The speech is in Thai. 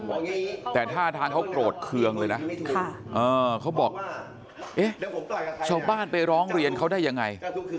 แต่ท่าทางเขาโกรธเคืองเลยนะเขาบอกเอ๊ะชาวบ้านไปร้องเรียนเขาได้ยังไง